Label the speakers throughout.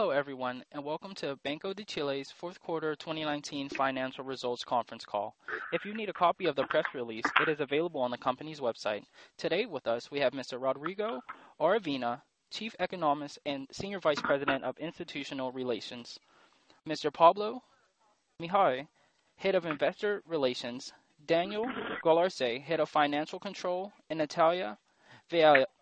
Speaker 1: Hello everyone, and welcome to Banco de Chile's Fourth Quarter 2019 Financial Results Conference Call. If you need a copy of the press release, it is available on the company's website. Today with us, we have Mr. Rodrigo Aravena, Chief Economist and Senior Vice President of Institutional Relations. Mr. Pablo Mejía, Head of Investor Relations. Daniel Galarce, Head of Financial Control, and Natalia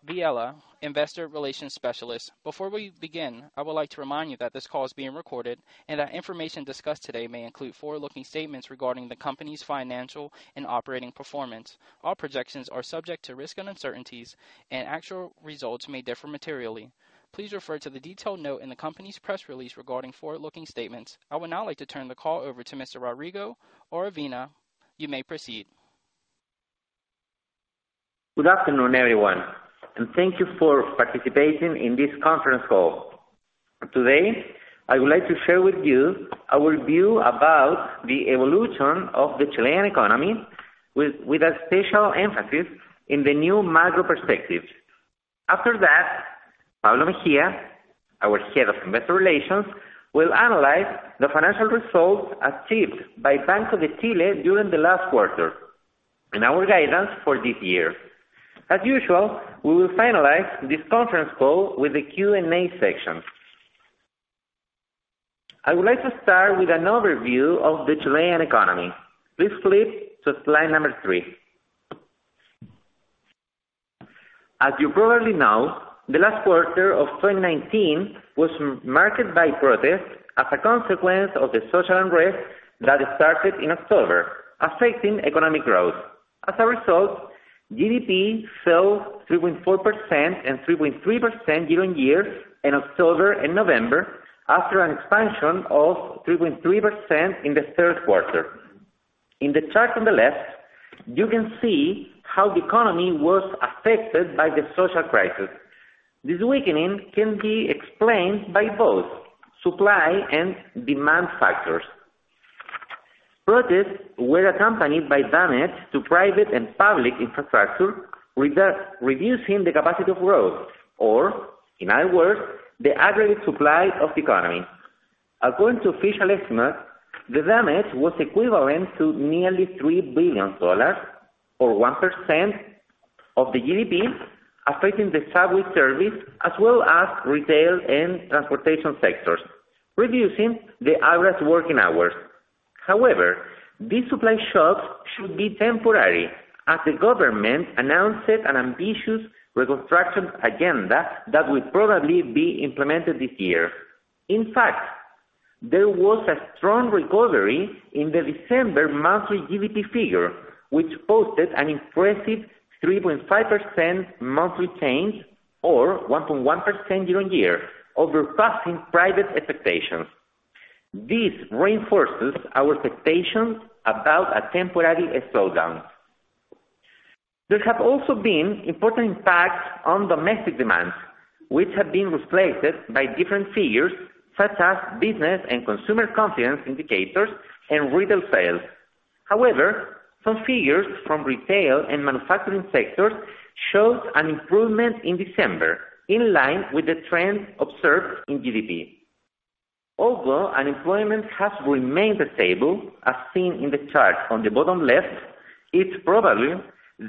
Speaker 1: Villela, Investor Relations Specialist. Before we begin, I would like to remind you that this call is being recorded and that information discussed today may include forward-looking statements regarding the company's financial and operating performance. All projections are subject to risk and uncertainties, and actual results may differ materially. Please refer to the detailed note in the company's press release regarding forward-looking statements. I would now like to turn the call over to Mr. Rodrigo Aravena. You may proceed.
Speaker 2: Good afternoon, everyone. Thank you for participating in this conference call. Today, I would like to share with you our view about the evolution of the Chilean economy, with a special emphasis on the new macro perspective. After that, Pablo Mejía, our Head of Investor Relations, will analyze the financial results achieved by Banco de Chile during the last quarter and our guidance for this year. As usual, we will finalize this conference call with the Q&A section. I would like to start with an overview of the Chilean economy. Please flip to slide number three. As you probably know, the last quarter of 2019 was marked by protests as a consequence of the social unrest that started in October, affecting economic growth. As a result, GDP fell 3.4% and 3.3% year-on-year in October and November, after an expansion of 3.3% in the third quarter. In the chart on the left, you can see how the economy was affected by the social crisis. This weakening can be explained by both supply and demand factors. Protests were accompanied by damage to private and public infrastructure, reducing the capacity to grow, or in other words, the aggregate supply of the economy. According to official estimates, the damage was equivalent to nearly $3 billion, or 1% of the GDP, affecting the subway service as well as retail and transportation sectors, reducing the average working hours. However, these supply shocks should be temporary as the government announced an ambitious reconstruction agenda that will probably be implemented this year. In fact, there was a strong recovery in the December monthly GDP figure, which posted an impressive 3.5% monthly change, or 1.1% year-on-year, over passing private expectations. This reinforces our expectations about a temporary slowdown. There have also been important impacts on domestic demands, which have been reflected by different figures such as business and consumer confidence indicators and retail sales. However, some figures from retail and manufacturing sectors showed an improvement in December, in line with the trends observed in GDP. Although unemployment has remained stable, as seen in the chart on the bottom left, it's probable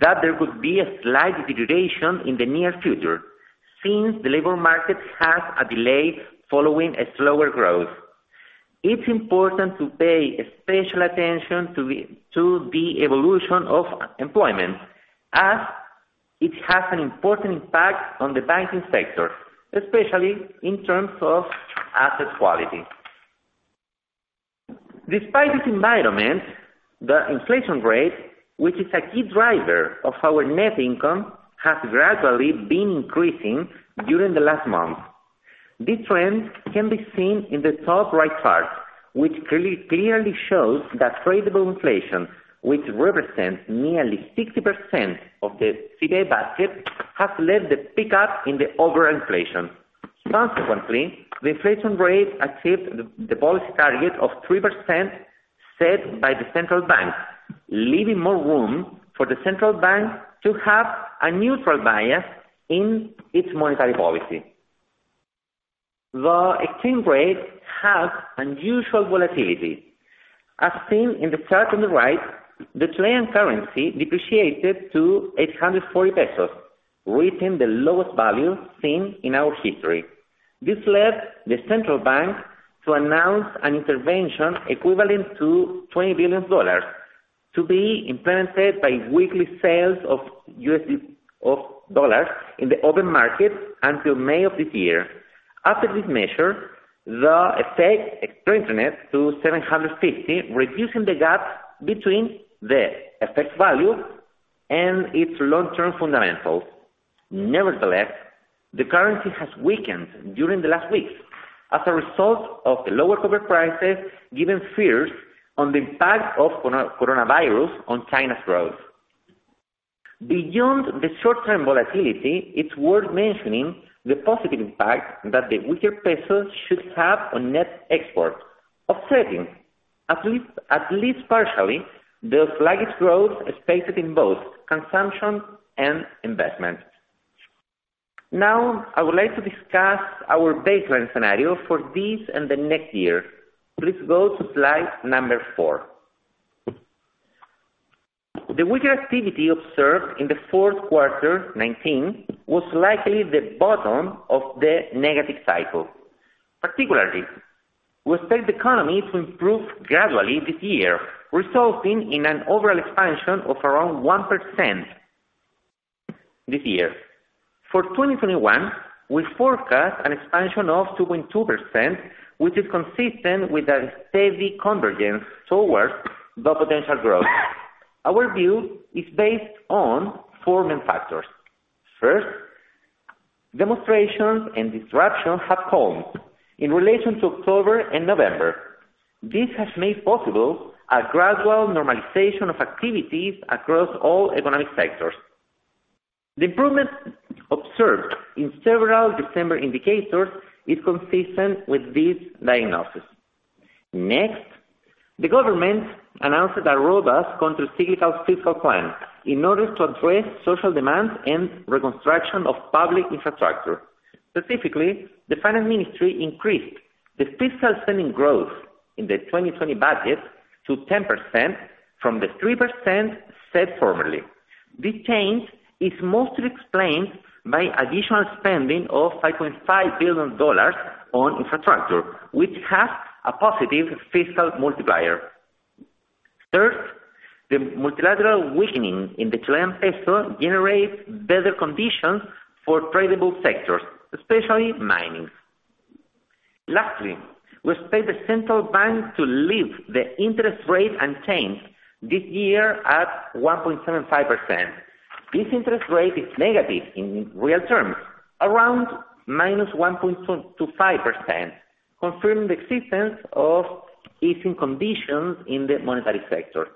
Speaker 2: that there could be a slight deterioration in the near future since the labor market has a delay following slower growth. It's important to pay special attention to the evolution of employment, as it has an important impact on the banking sector, especially in terms of asset quality. Despite this environment, the inflation rate, which is a key driver of our net income, has gradually been increasing during the last month. This trend can be seen in the top right chart, which clearly shows that tradable inflation, which represents nearly 60% of the CPI basket, has led the pickup in the overall inflation. Consequently, the inflation rate achieved the policy target of 3% set by the central bank, leaving more room for the central bank to have a neutral bias in its monetary policy. The exchange rate has unusual volatility. As seen in the chart on the right, the Chilean currency depreciated to 840 pesos, reaching the lowest value seen in our history. This led the central bank to announce an intervention equivalent to $20 billion to be implemented by weekly sales of dollars in the open market until May of this year. After this measure, the effect strengthened to 750, reducing the gap between the effect value and its long-term fundamentals. The currency has weakened during the last weeks as a result of lower copper prices, given fears on the impact of coronavirus on China's growth. Beyond the short-term volatility, it's worth mentioning the positive impact that the weaker peso should have on net exports offsetting at least partially the sluggish growth expected in both consumption and investment. I would like to discuss our baseline scenario for this and the next year. Please go to slide number four. The weaker activity observed in the fourth quarter 2019 was likely the bottom of the negative cycle. Particularly, we expect the economy to improve gradually this year, resulting in an overall expansion of around 1% this year. For 2021, we forecast an expansion of 2.2%, which is consistent with a steady convergence towards the potential growth. Our view is based on four main factors. First, demonstrations and disruption have calmed in relation to October and November. This has made possible a gradual normalization of activities across all economic sectors. The improvement observed in several December indicators is consistent with this diagnosis. The government announced a robust counter-cyclical fiscal plan in order to address social demands and reconstruction of public infrastructure. Specifically, the finance ministry increased the fiscal spending growth in the 2020 budget to 10%, from the 3% set formerly. This change is mostly explained by additional spending of $5.5 billion on infrastructure, which has a positive fiscal multiplier. Third, the multilateral weakening in the Chilean peso generates better conditions for tradable sectors, especially mining. We expect the central bank to leave the interest rate unchanged this year at 1.75%. This interest rate is negative in real terms, around -1.25%, confirming the existence of easing conditions in the monetary sector.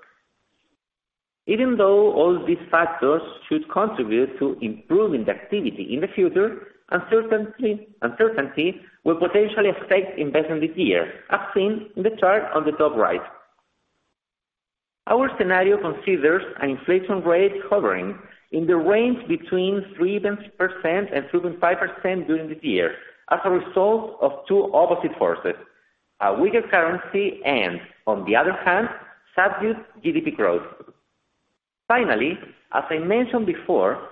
Speaker 2: All these factors should contribute to improving the activity in the future, uncertainty will potentially affect investment this year, as seen in the chart on the top right. Our scenario considers an inflation rate hovering in the range between 3% and 3.5% during this year as a result of two opposite forces: a weaker currency and, on the other hand, subdued GDP growth. As I mentioned before,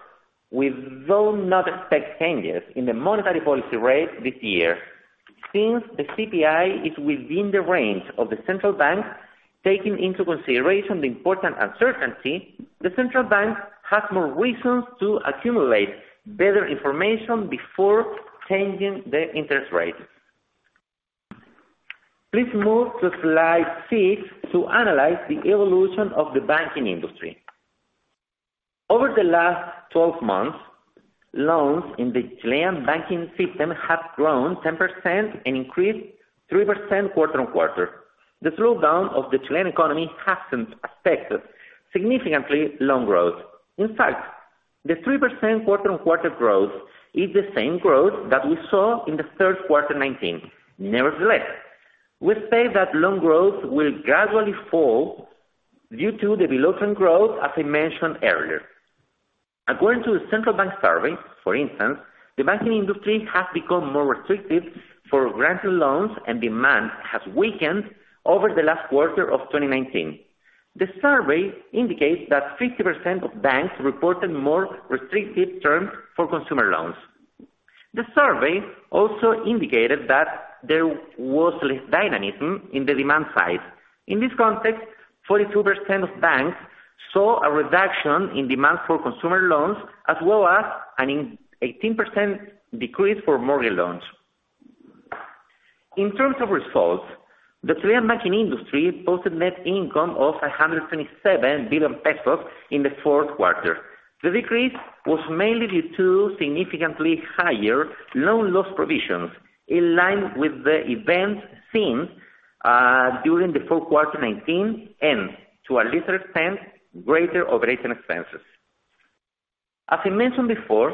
Speaker 2: we do not expect changes in the monetary policy rate this year. The CPI is within the range of the central bank, taking into consideration the important uncertainty, the central bank has more reasons to accumulate better information before changing the interest rate. Please move to slide six to analyze the evolution of the banking industry. Over the last 12 months, loans in the Chilean banking system have grown 10% and increased 3% quarter-on-quarter. The slowdown of the Chilean economy hasn't affected significantly loan growth. In fact, the 3% quarter-on-quarter growth is the same growth that we saw in the third quarter 2019. Nevertheless, we say that loan growth will gradually fall due to the below-trend growth, as I mentioned earlier. According to a central bank survey, for instance, the banking industry has become more restrictive for granting loans, and demand has weakened over the last quarter of 2019. The survey indicates that 50% of banks reported more restrictive terms for consumer loans. The survey also indicated that there was less dynamism in the demand side. In this context, 42% of banks saw a reduction in demand for consumer loans, as well as an 18% decrease for mortgage loans. In terms of results, the Chilean banking industry posted net income of 127 billion pesos in the fourth quarter. The decrease was mainly due to significantly higher loan loss provisions, in line with the events seen during the full quarter 2019 and, to a lesser extent, greater operating expenses. As I mentioned before,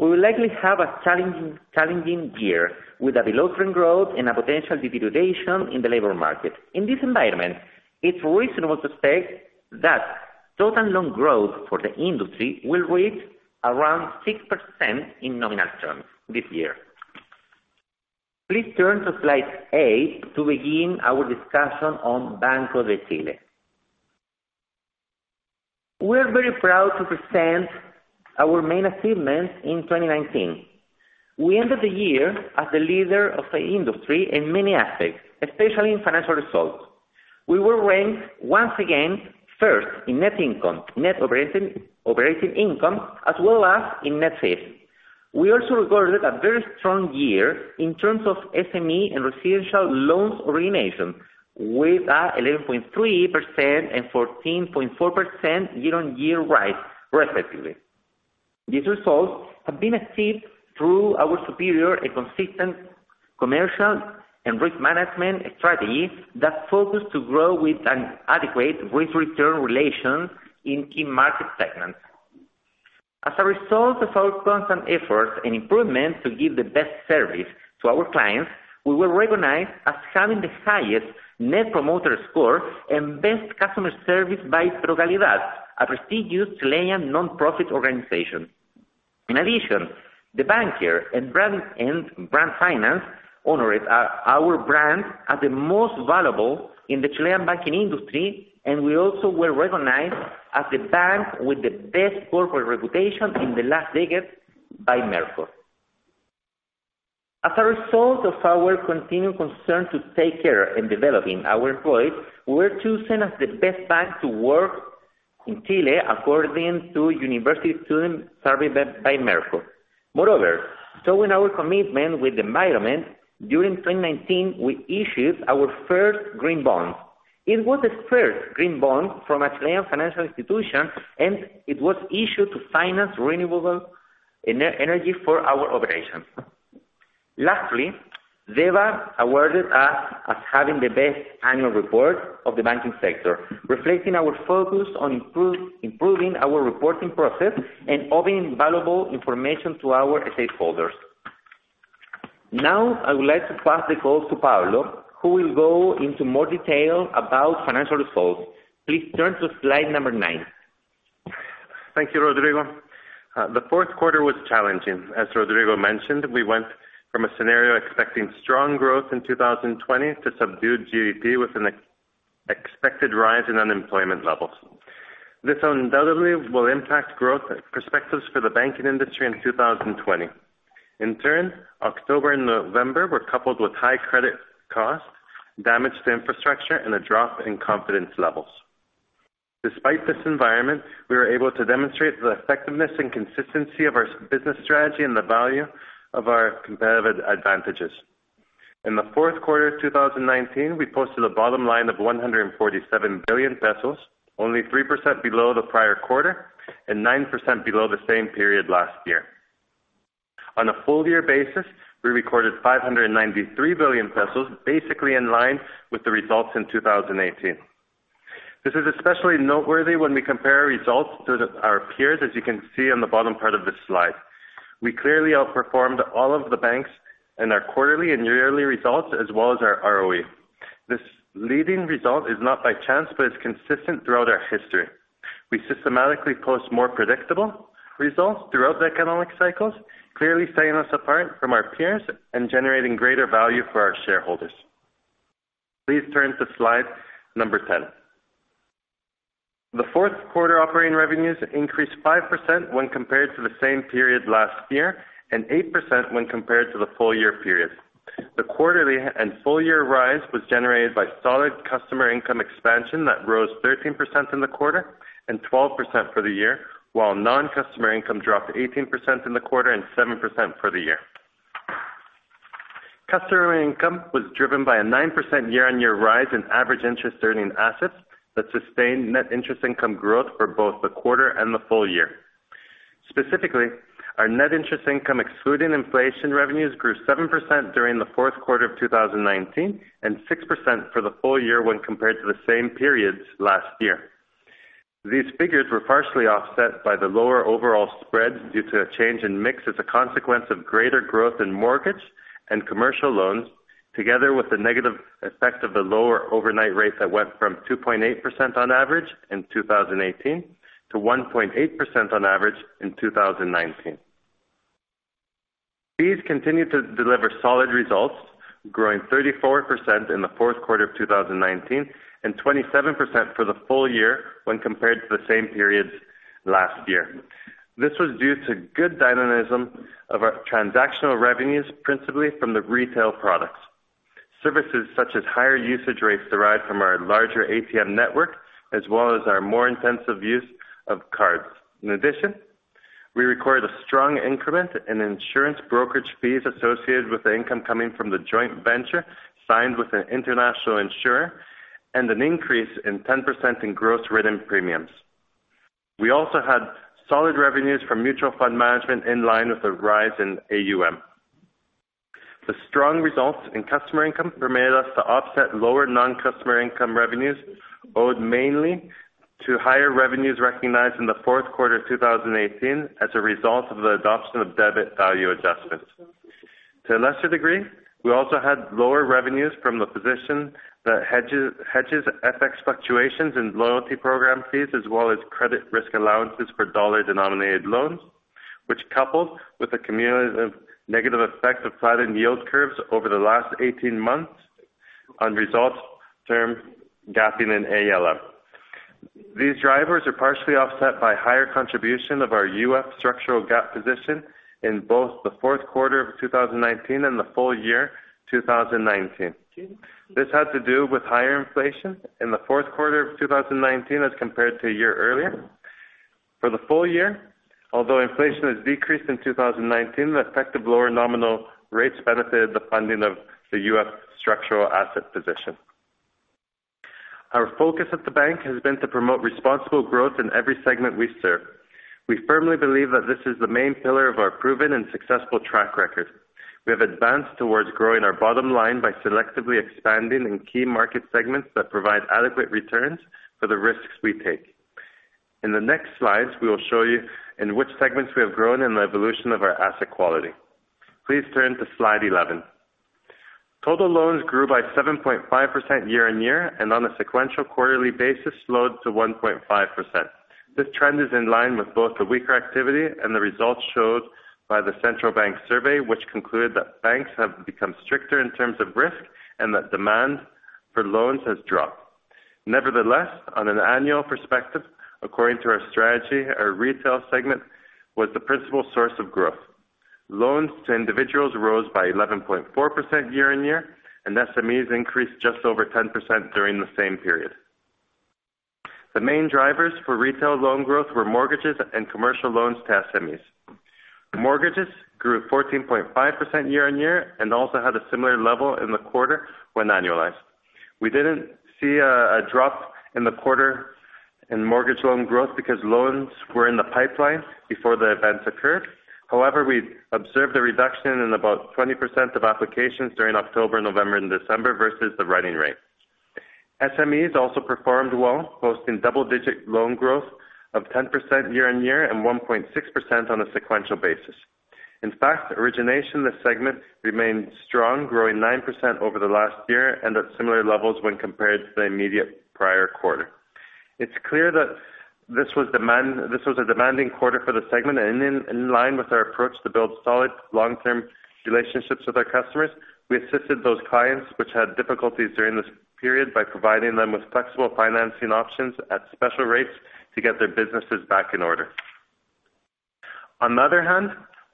Speaker 2: we will likely have a challenging year with a below-trend growth and a potential deterioration in the labor market. In this environment, it's reasonable to state that total loan growth for the industry will reach around 6% in nominal terms this year. Please turn to slide eight to begin our discussion on Banco de Chile. We're very proud to present our main achievements in 2019. We ended the year as the leader of the industry in many aspects, especially in financial results. We were ranked once again first in net income, net operating income, as well as in net fees. We also recorded a very strong year in terms of SME and residential loans origination, with a 11.3% and 14.4% year-on-year rise, respectively. These results have been achieved through our superior and consistent commercial and risk management strategy that focus to grow with an adequate risk-return relation in key market segments. As a result of our constant efforts and improvement to give the best service to our clients, we were recognized as having the highest Net Promoter Score and best customer service by ProCalidad, a prestigious Chilean non-profit organization. In addition, The Banker and Brand Finance honored our brand as the most valuable in the Chilean banking industry, and we also were recognized as the bank with the best corporate reputation in the last decade by Merco. As a result of our continued concern to take care in developing our employees, we were chosen as the best bank to work in Chile, according to university students surveyed by Merco. Showing our commitment with the environment, during 2019, we issued our first green bond. It was the first green bond from a Chilean financial institution, and it was issued to finance renewable energy for our operations. Deva awarded us as having the best annual report of the banking sector, reflecting our focus on improving our reporting process and offering valuable information to our stakeholders. I would like to pass the call to Pablo, who will go into more detail about financial results. Please turn to slide number nine.
Speaker 3: Thank you, Rodrigo. The fourth quarter was challenging. As Rodrigo mentioned, we went from a scenario expecting strong growth in 2020 to subdued GDP with an expected rise in unemployment levels. This undoubtedly will impact growth perspectives for the banking industry in 2020. October and November were coupled with high credit costs, damage to infrastructure, and a drop in confidence levels. Despite this environment, we were able to demonstrate the effectiveness and consistency of our business strategy and the value of our competitive advantages. In the fourth quarter of 2019, we posted a bottom line of 147 billion pesos, only 3% below the prior quarter and 9% below the same period last year. On a full year basis, we recorded 593 billion pesos, basically in line with the results in 2018. This is especially noteworthy when we compare results to our peers, as you can see on the bottom part of this slide. We clearly outperformed all of the banks in our quarterly and yearly results, as well as our ROE. This leading result is not by chance, but is consistent throughout our history. We systematically post more predictable results throughout the economic cycles, clearly setting us apart from our peers and generating greater value for our shareholders. Please turn to slide number 10. The fourth quarter operating revenues increased 5% when compared to the same period last year, and 8% when compared to the full year period. The quarterly and full year rise was generated by solid customer income expansion that rose 13% in the quarter and 12% for the year. While non-customer income dropped 18% in the quarter and 7% for the year. Customer income was driven by a 9% year-on-year rise in average interest earning assets that sustained net interest income growth for both the quarter and the full year. Specifically, our net interest income excluding inflation revenues grew 7% during the fourth quarter of 2019 and 6% for the full year when compared to the same periods last year. These figures were partially offset by the lower overall spreads due to a change in mix as a consequence of greater growth in mortgage and commercial loans, together with the negative effect of the lower overnight rates that went from 2.8% on average in 2018 to 1.8% on average in 2019. Fees continued to deliver solid results, growing 34% in the fourth quarter of 2019 and 22% for the full year when compared to the same periods last year. This was due to good dynamism of our transactional revenues, principally from the retail products. Services such as higher usage rates derived from our larger ATM network, as well as our more intensive use of cards. In addition, we recorded a strong increment in insurance brokerage fees associated with the income coming from the joint venture signed with an international insurer and an increase in 10% in gross written premiums. We also had solid revenues from mutual fund management in line with a rise in AUM. The strong results in customer income permitted us to offset lower non-customer income revenues owed mainly to higher revenues recognized in the fourth quarter of 2018 as a result of the adoption of debt value adjustments. To a lesser degree, we also had lower revenues from the position that hedges FX fluctuations and loyalty program fees, as well as credit risk allowances for dollar-denominated loans, which coupled with the cumulative negative effect of flattened yield curves over the last 18 months on results term gapping in ALM. These drivers are partially offset by higher contribution of our UF structural gap position in both the fourth quarter of 2019 and the full year 2019. This had to do with higher inflation in the fourth quarter of 2019 as compared to a year earlier. For the full year, although inflation has decreased in 2019, the effect of lower nominal rates benefited the funding of the UF structural asset position. Our focus at the bank has been to promote responsible growth in every segment we serve. We firmly believe that this is the main pillar of our proven and successful track record. We have advanced towards growing our bottom line by selectively expanding in key market segments that provide adequate returns for the risks we take. In the next slides, we will show you in which segments we have grown and the evolution of our asset quality. Please turn to slide 11. Total loans grew by 7.5% year-on-year, and on a sequential quarterly basis, slowed to 1.5%. This trend is in line with both the weaker activity and the results showed by the Central Bank survey, which concluded that banks have become stricter in terms of risk and that demand for loans has dropped. Nevertheless, on an annual perspective, according to our strategy, our retail segment was the principal source of growth. Loans to individuals rose by 11.4% year-on-year, and SMEs increased just over 10% during the same period. The main drivers for retail loan growth were mortgages and commercial loans to SMEs. Mortgages grew 14.5% year-on-year and also had a similar level in the quarter when annualized. We didn't see a drop in the quarter in mortgage loan growth because loans were in the pipeline before the events occurred. However, we observed a reduction in about 20% of applications during October, November, and December versus the running rate. SMEs also performed well, posting double-digit loan growth of 10% year-on-year and 1.6% on a sequential basis. In fact, origination, this segment remained strong, growing 9% over the last year, and at similar levels when compared to the immediate prior quarter. It's clear that this was a demanding quarter for the segment and in line with our approach to build solid long-term relationships with our customers. We assisted those clients which had difficulties during this period by providing them with flexible financing options at special rates to get their businesses back in order.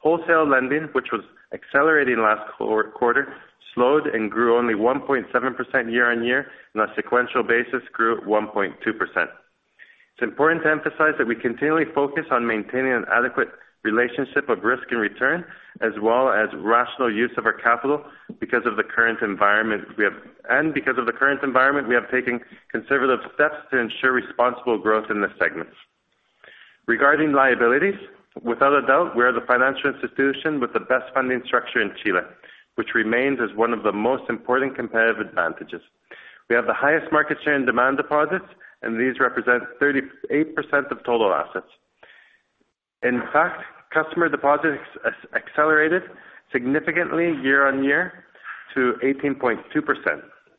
Speaker 3: Wholesale lending, which was accelerating last quarter, slowed and grew only 1.7% year-on-year, and on a sequential basis, grew 1.2%. It's important to emphasize that we continually focus on maintaining an adequate relationship of risk and return, as well as rational use of our capital, and because of the current environment, we have taken conservative steps to ensure responsible growth in this segment. Regarding liabilities, without a doubt, we are the financial institution with the best funding structure in Chile, which remains as one of the most important competitive advantages. We have the highest market share in demand deposits, and these represent 38% of total assets. Customer deposits accelerated significantly year-on-year to 18.2%.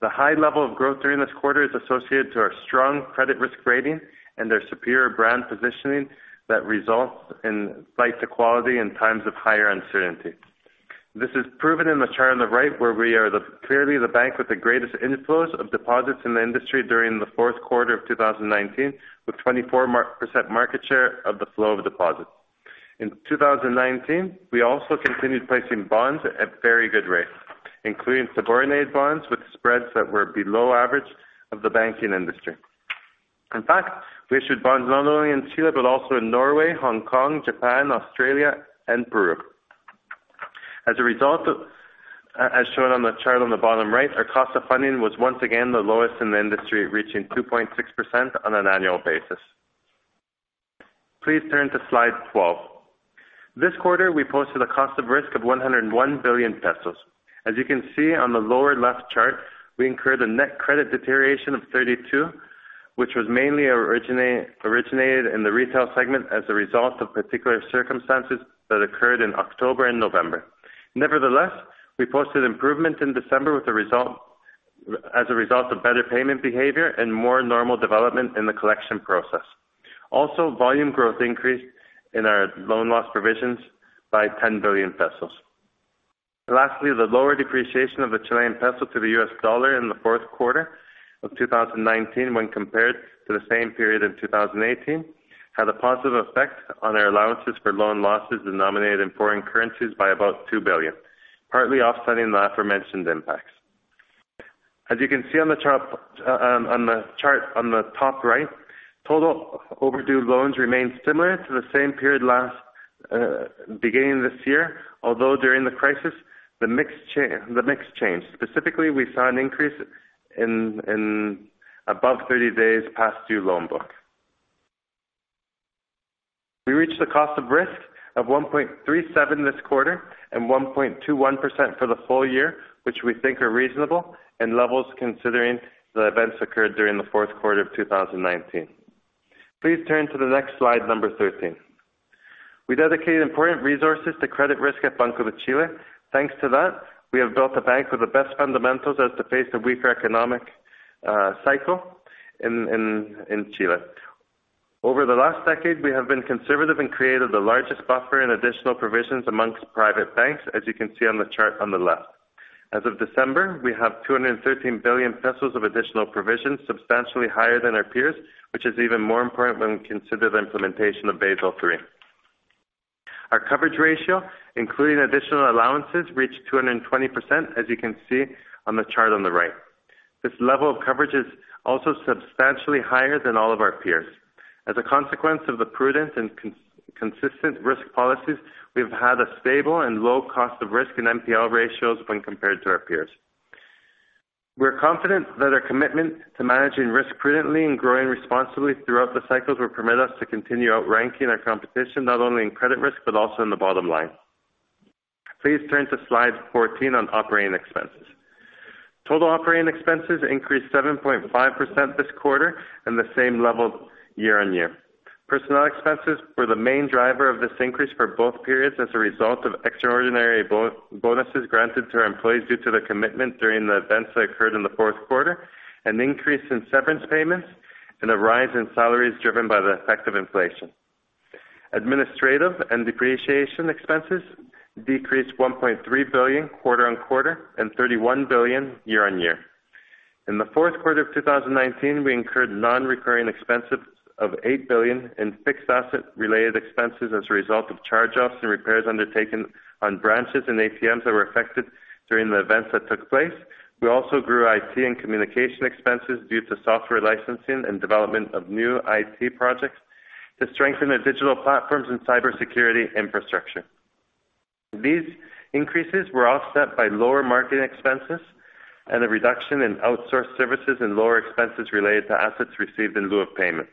Speaker 3: The high level of growth during this quarter is associated to our strong credit risk rating and their superior brand positioning that results in flight to quality in times of higher uncertainty. This is proven in the chart on the right, where we are clearly the bank with the greatest inflows of deposits in the industry during the fourth quarter of 2019, with 24% market share of the flow of deposits. In 2019, we also continued placing bonds at very good rates, including subordinate bonds with spreads that were below average of the banking industry. We issued bonds not only in Chile, but also in Norway, Hong Kong, Japan, Australia, and Peru. As shown on the chart on the bottom right, our cost of funding was once again the lowest in the industry, reaching 2.6% on an annual basis. Please turn to slide 12. This quarter, we posted a cost of risk of 101 billion pesos. As you can see on the lower left chart, we incurred a net credit deterioration of 32 billion, which was mainly originated in the retail segment as a result of particular circumstances that occurred in October and November. Nevertheless, we posted improvement in December as a result of better payment behavior and more normal development in the collection process. Also, volume growth increased in our loan loss provisions by 10 billion pesos. Lastly, the lower depreciation of the Chilean peso to the U.S. dollar in the fourth quarter of 2019, when compared to the same period in 2018, had a positive effect on our allowances for loan losses denominated in foreign currencies by about 2 billion, partly offsetting the aforementioned impacts. As you can see on the chart on the top right, total overdue loans remain similar to the beginning of this year, although during the crisis, the mix changed. Specifically, we saw an increase in above 30 days past due loan book. We reached the cost of risk of 1.37% this quarter and 1.21% for the full year, which we think are reasonable and levels considering the events occurred during the fourth quarter of 2019. Please turn to the next slide, number 13. We dedicated important resources to credit risk at Banco de Chile. Thanks to that, we have built a bank with the best fundamentals as it faces the weaker economic cycle in Chile. Over the last decade, we have been conservative and created the largest buffer in additional provisions amongst private banks, as you can see on the chart on the left. As of December, we have 213 billion pesos of additional provisions, substantially higher than our peers, which is even more important when we consider the implementation of Basel III. Our coverage ratio, including additional allowances, reached 220%, as you can see on the chart on the right. This level of coverage is also substantially higher than all of our peers. As a consequence of the prudent and consistent risk policies, we've had a stable and low cost of risk and NPL ratios when compared to our peers. We're confident that our commitment to managing risk prudently and growing responsibly throughout the cycles will permit us to continue outranking our competition, not only in credit risk but also in the bottom line. Please turn to slide 14 on operating expenses. Total operating expenses increased 7.5% this quarter and the same level year-on-year. Personnel expenses were the main driver of this increase for both periods as a result of extraordinary bonuses granted to our employees due to the commitment during the events that occurred in the fourth quarter, an increase in severance payments, and a rise in salaries driven by the effect of inflation. Administrative and depreciation expenses decreased 1.3 billion quarter-on-quarter and 31 billion year-on-year. In the fourth quarter of 2019, we incurred non-recurring expenses of 8 billion in fixed asset-related expenses as a result of charge-offs and repairs undertaken on branches and ATMs that were affected during the events that took place. We also grew IT and communication expenses due to software licensing and development of new IT projects to strengthen the digital platforms and cybersecurity infrastructure. These increases were offset by lower marketing expenses and a reduction in outsourced services and lower expenses related to assets received in lieu of payment.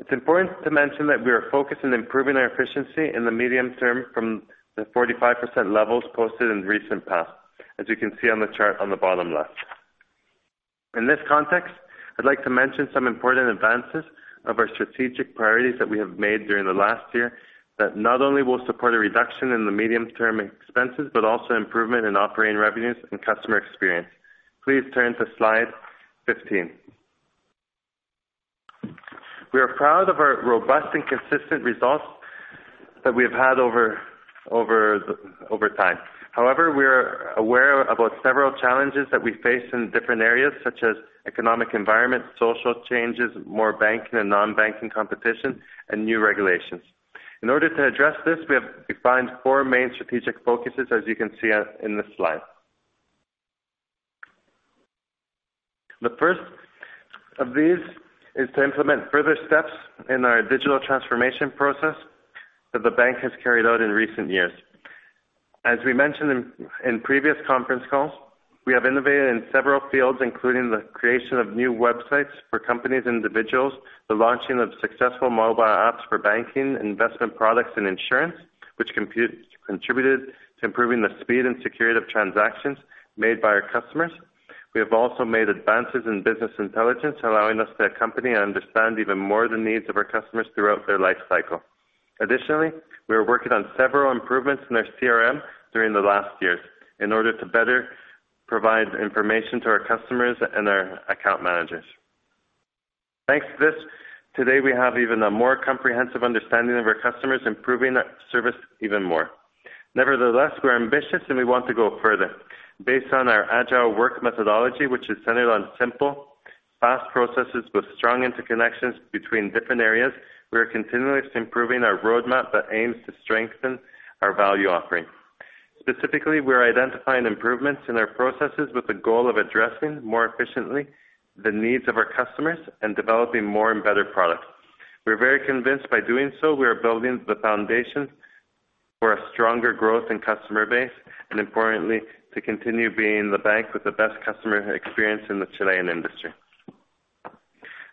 Speaker 3: It's important to mention that we are focused on improving our efficiency in the medium term from the 45% levels posted in recent past, as you can see on the chart on the bottom left. In this context, I'd like to mention some important advances of our strategic priorities that we have made during the last year that not only will support a reduction in the medium-term expenses, but also improvement in operating revenues and customer experience. Please turn to slide 15. We are proud of our robust and consistent results that we have had over time. However, we are aware about several challenges that we face in different areas such as economic environment, social changes, more banking and non-banking competition, and new regulations. In order to address this, we have defined four main strategic focuses, as you can see in the slide. The first of these is to implement further steps in our digital transformation process that the bank has carried out in recent years. As we mentioned in previous conference calls, we have innovated in several fields, including the creation of new websites for companies and individuals, the launching of successful mobile apps for banking, investment products, and insurance, which contributed to improving the speed and security of transactions made by our customers. We have also made advances in business intelligence, allowing us to accompany and understand even more the needs of our customers throughout their lifecycle. Additionally, we are working on several improvements in our CRM during the last years in order to better provide information to our customers and our account managers. Thanks to this, today we have even a more comprehensive understanding of our customers, improving our service even more. We are ambitious and we want to go further. Based on our agile work methodology, which is centered on simple, fast processes with strong interconnections between different areas, we are continuously improving our roadmap that aims to strengthen our value offering. Specifically, we are identifying improvements in our processes with the goal of addressing more efficiently the needs of our customers and developing more and better products. We are very convinced by doing so, we are building the foundation for a stronger growth and customer base, and importantly, to continue being the bank with the best customer experience in the Chilean industry.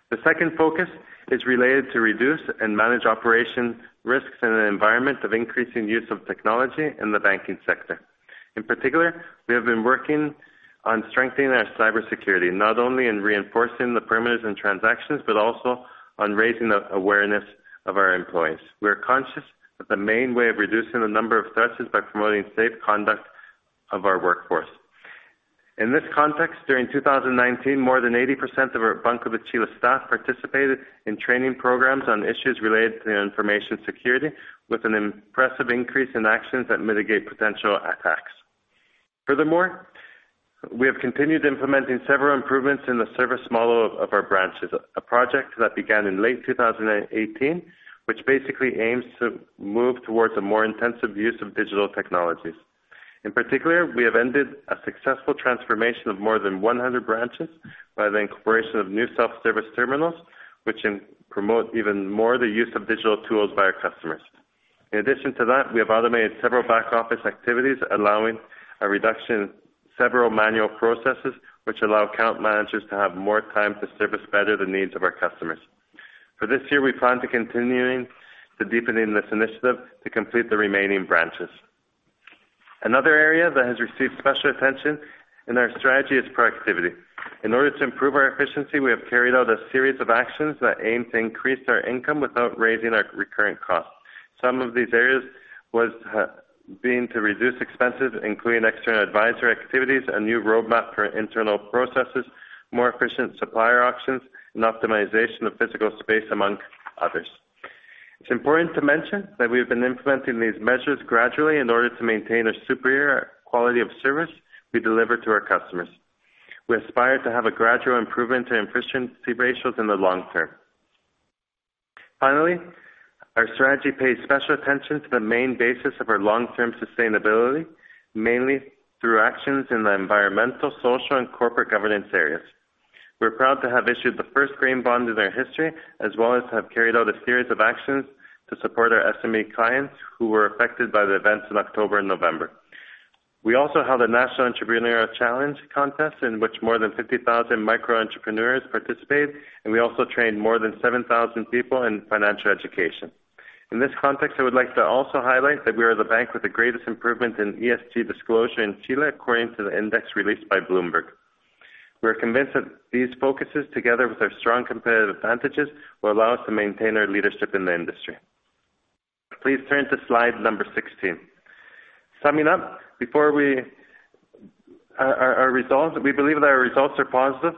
Speaker 3: The second focus is related to reduce and manage operation risks in an environment of increasing use of technology in the banking sector. In particular, we have been working on strengthening our cybersecurity, not only in reinforcing the perimeters and transactions, but also on raising the awareness of our employees. We are conscious that the main way of reducing the number of threats is by promoting safe conduct of our workforce. In this context, during 2019, more than 80% of our Banco de Chile staff participated in training programs on issues related to information security, with an impressive increase in actions that mitigate potential attacks. Furthermore, we have continued implementing several improvements in the service model of our branches, a project that began in late 2018, which basically aims to move towards a more intensive use of digital technologies. In particular, we have ended a successful transformation of more than 100 branches by the incorporation of new self-service terminals, which promote even more the use of digital tools by our customers. In addition to that, we have automated several back-office activities, allowing a reduction in several manual processes, which allow account managers to have more time to service better the needs of our customers. For this year, we plan to continuing to deepening this initiative to complete the remaining branches. Another area that has received special attention in our strategy is productivity. In order to improve our efficiency, we have carried out a series of actions that aim to increase our income without raising our recurrent costs. Some of these areas was being to reduce expenses, including external advisory activities, a new roadmap for internal processes, more efficient supplier auctions, and optimization of physical space, among others. It's important to mention that we have been implementing these measures gradually in order to maintain a superior quality of service we deliver to our customers. We aspire to have a gradual improvement in efficiency ratios in the long term. Finally, our strategy pays special attention to the main basis of our long-term sustainability, mainly through actions in the environmental, social, and corporate governance areas. We're proud to have issued the first green bond in our history, as well as to have carried out a series of actions to support our SME clients who were affected by the events in October and November. We also held a national entrepreneurial challenge contest, in which more than 50,000 micro entrepreneurs participated, and we also trained more than 7,000 people in financial education. In this context, I would like to also highlight that we are the bank with the greatest improvement in ESG disclosure in Chile, according to the index released by Bloomberg. We are convinced that these focuses, together with our strong competitive advantages, will allow us to maintain our leadership in the industry. Please turn to slide number 16. Summing up, we believe that our results are positive,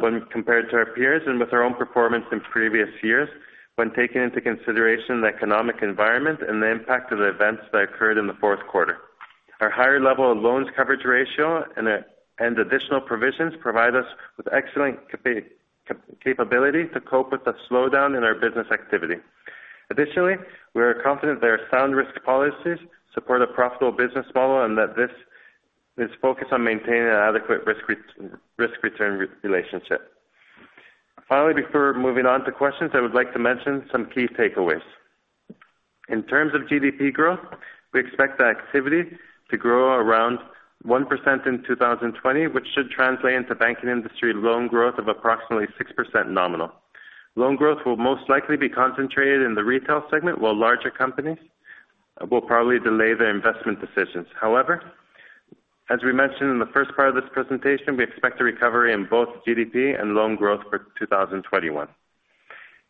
Speaker 3: when compared to our peers and with our own performance in previous years, when taking into consideration the economic environment and the impact of the events that occurred in the fourth quarter. Our higher level of loans coverage ratio and additional provisions provide us with excellent capability to cope with the slowdown in our business activity. Additionally, we are confident that our sound risk policies support a profitable business model and that this is focused on maintaining an adequate risk-return relationship. Finally, before moving on to questions, I would like to mention some key takeaways. In terms of GDP growth, we expect the activity to grow around 1% in 2020, which should translate into banking industry loan growth of approximately 6% nominal. Loan growth will most likely be concentrated in the retail segment, while larger companies will probably delay their investment decisions. However, as we mentioned in the first part of this presentation, we expect a recovery in both GDP and loan growth for 2021.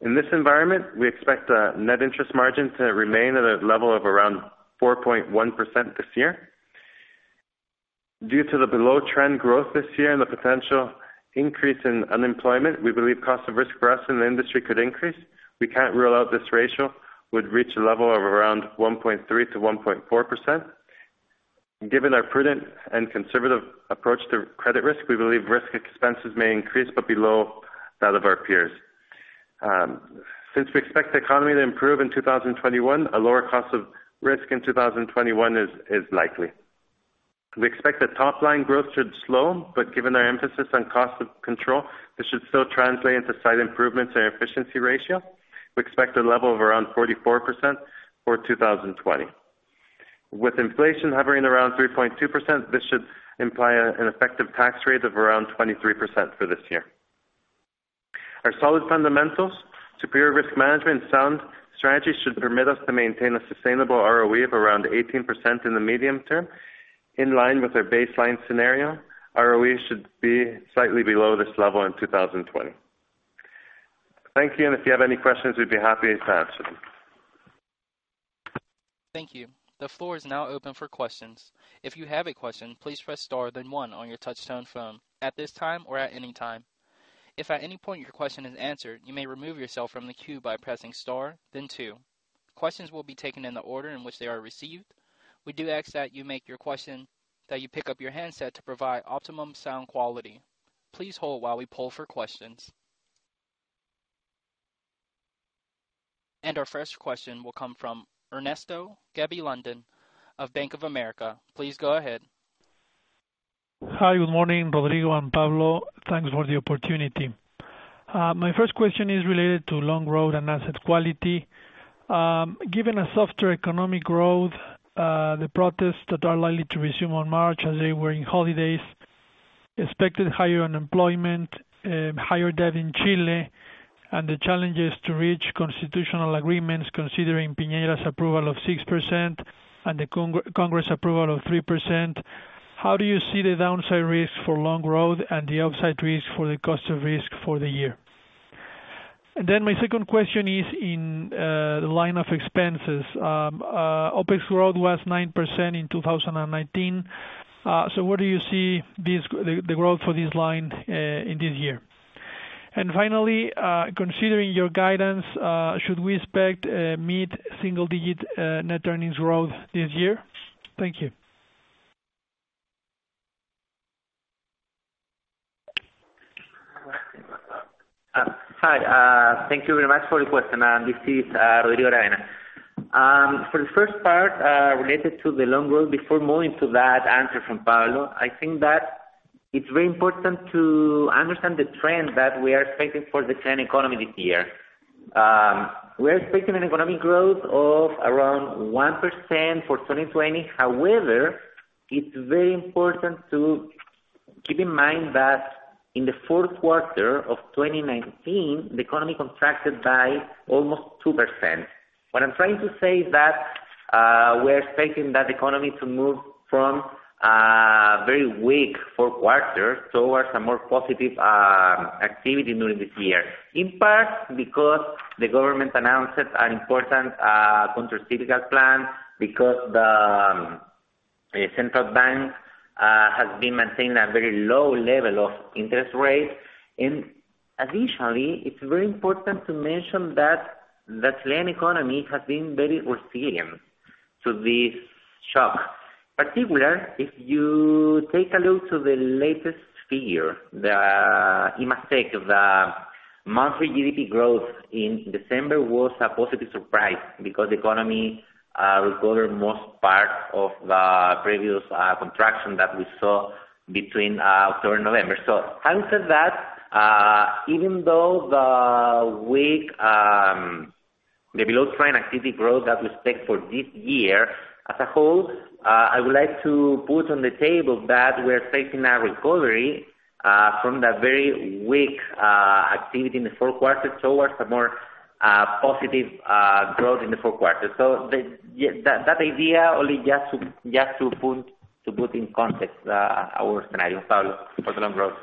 Speaker 3: In this environment, we expect the net interest margin to remain at a level of around 4.1% this year. Due to the below-trend growth this year and the potential increase in unemployment, we believe cost of risk for us in the industry could increase. We can't rule out this ratio would reach a level of around 1.3%-1.4%. Given our prudent and conservative approach to credit risk, we believe risk expenses may increase but below that of our peers. Since we expect the economy to improve in 2021, a lower cost of risk in 2021 is likely. We expect that top-line growth should slow, but given our emphasis on cost of control, this should still translate into slight improvements in our efficiency ratio. We expect a level of around 44% for 2020. With inflation hovering around 3.2%, this should imply an effective tax rate of around 23% for this year. Our solid fundamentals, superior risk management, sound strategy should permit us to maintain a sustainable ROE of around 18% in the medium term. In line with our baseline scenario, ROE should be slightly below this level in 2020. Thank you, and if you have any questions, we'd be happy to answer them.
Speaker 1: Thank you. The floor is now open for questions. If you have a question, please press star then one on your touchtone phone at this time or at any time. If at any point your question is answered, you may remove yourself from the queue by pressing star then two. Questions will be taken in the order in which they are received. We do ask that you pick up your handset to provide optimum sound quality. Please hold while we poll for questions. Our first question will come from Ernesto Gabilondo of Bank of America. Please go ahead.
Speaker 4: Hi, good morning, Rodrigo and Pablo. Thanks for the opportunity. My first question is related to loan growth and asset quality. Given a softer economic growth, the protests that are likely to resume on March, as they were in holidays, expected higher unemployment, higher debt in Chile, and the challenges to reach constitutional agreements, considering Piñera's approval of 6% and the Congress approval of 3%, how do you see the downside risk for loan growth and the upside risk for the cost of risk for the year? My second question is in the line of expenses. OpEx growth was 9% in 2019. Where do you see the growth for this line in this year? Finally, considering your guidance, should we expect mid-single digit net earnings growth this year? Thank you.
Speaker 2: Hi. Thank you very much for the question. This is Rodrigo Aravena. The first part, related to the loan growth, before moving to that answer from Pablo, I think that it's very important to understand the trend that we are expecting for the Chilean economy this year. We are expecting an economic growth of around 1% for 2020. It's very important to keep in mind that in the fourth quarter of 2019, the economy contracted by almost 2%. What I'm trying to say is that we are expecting that economy to move from a very weak fourth quarter towards a more positive activity during this year, in part because the government announced an important countercyclical plan, because the central bank has been maintaining a very low level of interest rates. Additionally, it's very important to mention that the Chilean economy has been very resilient to this shock. Particular, if you take a look to the latest figure, the IMACEC. Monthly GDP growth in December was a positive surprise because the economy recovered most part of the previous contraction that we saw between October and November. Having said that, even though the below trend activity growth that we expect for this year as a whole, I would like to put on the table that we're facing a recovery from that very weak activity in the fourth quarter towards a more positive growth in the fourth quarter. That idea, only just to put in context our scenario. Pablo, for the long growth.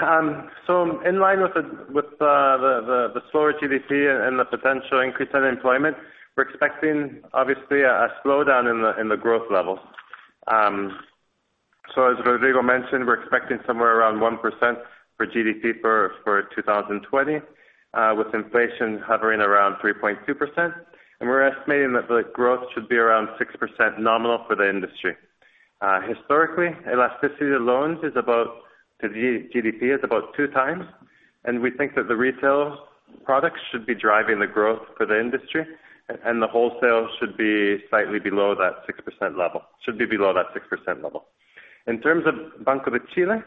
Speaker 3: In line with the slower GDP and the potential increase in employment, we're expecting, obviously, a slowdown in the growth level. As Rodrigo mentioned, we're expecting somewhere around 1% for GDP for 2020, with inflation hovering around 3.2%. We're estimating that the growth should be around 6% nominal for the industry. Historically, elasticity to loans to GDP is about two times, and we think that the retail products should be driving the growth for the industry, and the wholesale should be slightly below that 6% level. In terms of Banco de Chile,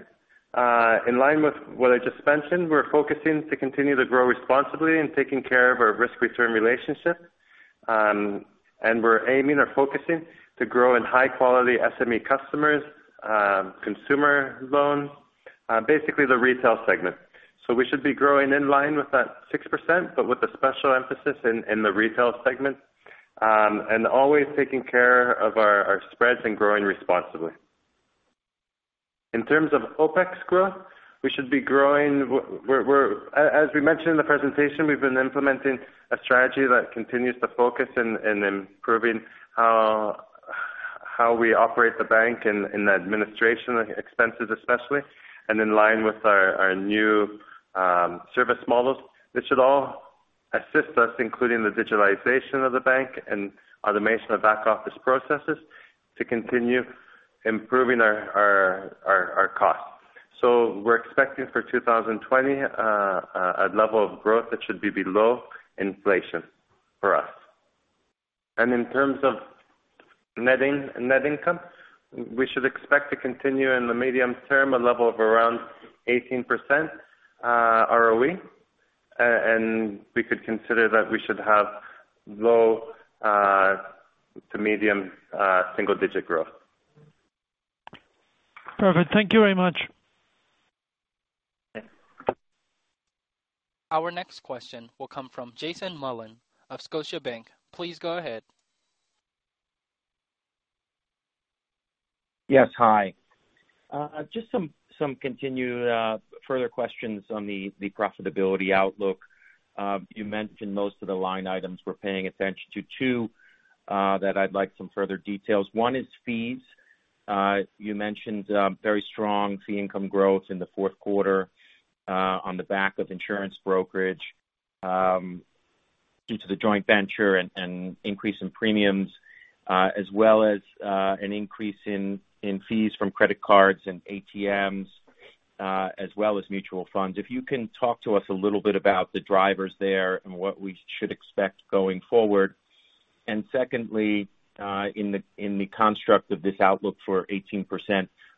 Speaker 3: in line with what I just mentioned, we're focusing to continue to grow responsibly and taking care of our risk-return relationship. We're aiming or focusing to grow in high quality SME customers, consumer loans, basically the retail segment. We should be growing in line with that 6%, but with a special emphasis in the retail segment, and always taking care of our spreads and growing responsibly. In terms of OpEx growth, as we mentioned in the presentation, we've been implementing a strategy that continues to focus in improving how we operate the bank in the administration expenses especially, and in line with our new service models. This should all assist us, including the digitalization of the bank and automation of back office processes, to continue improving our costs. We're expecting for 2020, a level of growth that should be below inflation for us. In terms of net income, we should expect to continue in the medium term, a level of around 18% ROE. We could consider that we should have low to medium single digit growth.
Speaker 4: Perfect. Thank you very much.
Speaker 3: Yeah.
Speaker 1: Our next question will come from Jason Mollin of Scotiabank. Please go ahead.
Speaker 5: Yes. Hi. Just some continued further questions on the profitability outlook. You mentioned most of the line items we're paying attention to too. That I'd like some further details. One is fees. You mentioned very strong fee income growth in the fourth quarter on the back of insurance brokerage due to the joint venture and increase in premiums, as well as an increase in fees from credit cards and ATMs, as well as mutual funds. If you can talk to us a little bit about the drivers there and what we should expect going forward? Secondly, in the construct of this outlook for 18%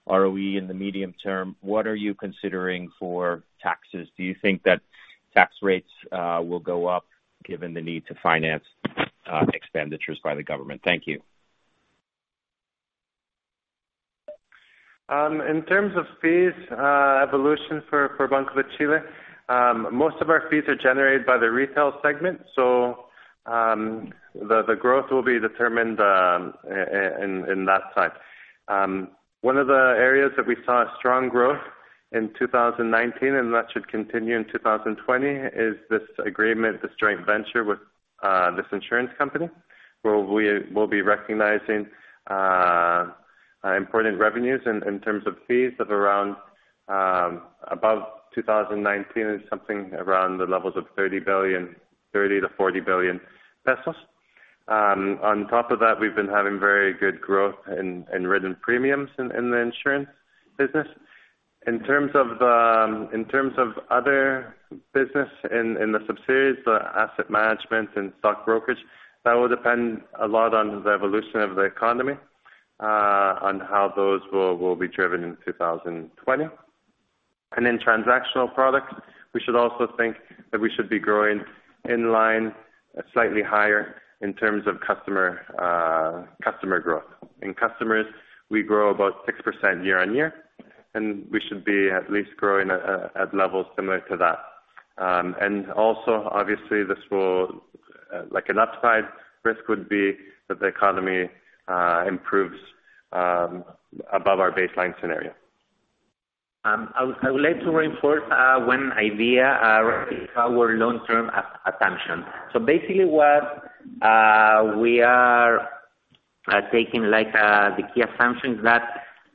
Speaker 5: ROE in the medium term, what are you considering for taxes? Do you think that tax rates will go up given the need to finance expenditures by the government? Thank you.
Speaker 3: In terms of fees evolution for Banco de Chile, most of our fees are generated by the retail segment, so the growth will be determined in that time. One of the areas that we saw strong growth in 2019, and that should continue in 2020, is this agreement, this joint venture with this insurance company, where we will be recognizing important revenues in terms of fees of around, above 2019, is something around the levels of 30 billion-40 billion pesos. On top of that, we've been having very good growth in written premiums in the insurance business. In terms of other business in the subsidiaries, the asset management and stock brokerage, that will depend a lot on the evolution of the economy, on how those will be driven in 2020. In transactional products, we should also think that we should be growing in line slightly higher in terms of customer growth. In customers, we grow about 6% year on year, and we should be at least growing at levels similar to that. Also, obviously, an upside risk would be that the economy improves above our baseline scenario.
Speaker 2: I would like to reinforce one idea regarding our long-term attention. Basically what we are taking the key assumptions that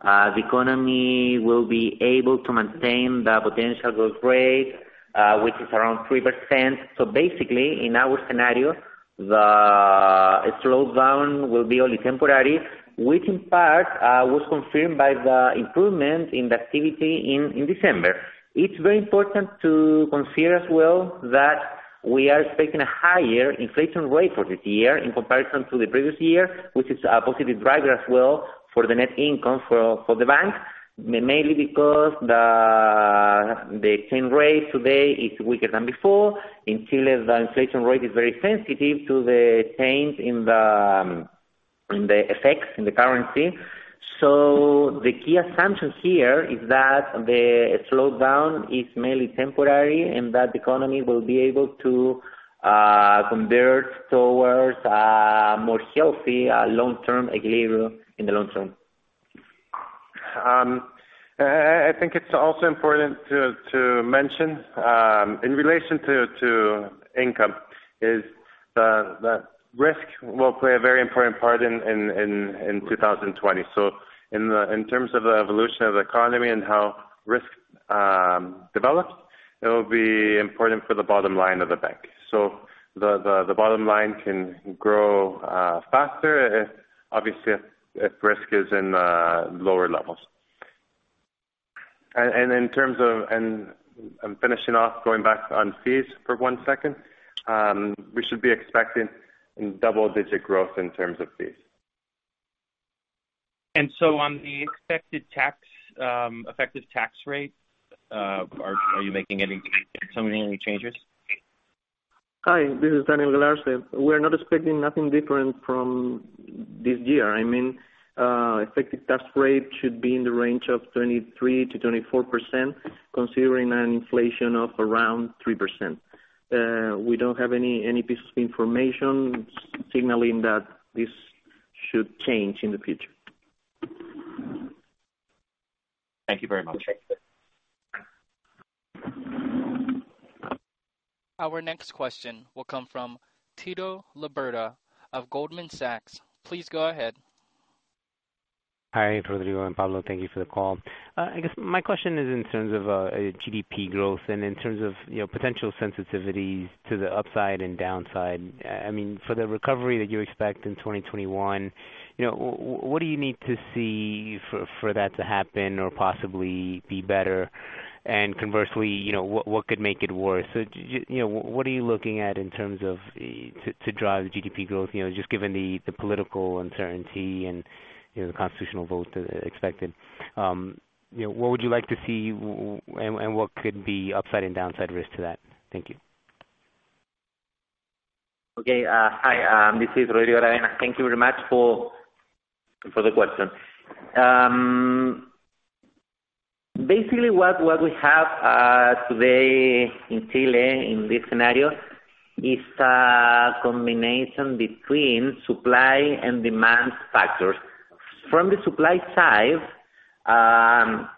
Speaker 2: the economy will be able to maintain the potential growth rate, which is around 3%. Basically, in our scenario, the slowdown will be only temporary, which in part was confirmed by the improvement in the activity in December. It's very important to consider as well that we are expecting a higher inflation rate for this year in comparison to the previous year, which is a positive driver as well for the net income for the bank. Mainly because the exchange rate today is weaker than before. In Chile, the inflation rate is very sensitive to the change in the effects in the currency. The key assumption here is that the slowdown is mainly temporary and that the economy will be able to convert towards a more healthy long-term equilibrium in the long term.
Speaker 3: I think it's also important to mention, in relation to income, is that risk will play a very important part in 2020. In terms of the evolution of the economy and how risk develops, it will be important for the bottom line of the bank. The bottom line can grow faster, obviously, if risk is in lower levels. In terms of, and I'm finishing off, going back on fees for one second, we should be expecting double-digit growth in terms of fees.
Speaker 5: On the effective tax rate, are you making any changes?
Speaker 6: Hi, this is Daniel Galarce. We're not expecting nothing different from this year. I mean, effective tax rate should be in the range of 23%-24%, considering an inflation of around 3%. We don't have any piece of information signaling that this should change in the future.
Speaker 5: Thank you very much.
Speaker 1: Our next question will come from Tito Labarta of Goldman Sachs. Please go ahead.
Speaker 7: Hi, Rodrigo and Pablo. Thank you for the call. I guess my question is in terms of GDP growth and in terms of potential sensitivities to the upside and downside. For the recovery that you expect in 2021, what do you need to see for that to happen or possibly be better? Conversely, what could make it worse? What are you looking at in terms of to drive the GDP growth, just given the political uncertainty and the constitutional vote that is expected. What would you like to see and what could be upside and downside risk to that? Thank you.
Speaker 2: Okay. Hi, this is Rodrigo Aravena. Thank you very much for the question. Basically, what we have today in Chile in this scenario is a combination between supply and demand factors. From the supply side,